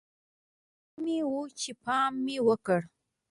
ښه مې و چې پام مې وکړ.